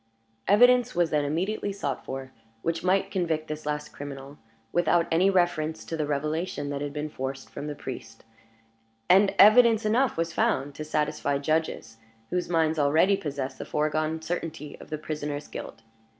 Evidence was then immediately sought for, which might convict this last criminal without any reference to the revelation that had been forced from the priest and evidence enough was found to satisfy judges whose minds already possessed the foregone certainty of the prisoner's guilt.